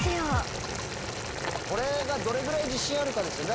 これがどれぐらい自信あるかですよね。